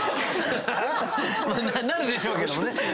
なるでしょうけどもね。